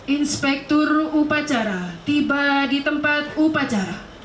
inspektur upacara tiba di tempat upacara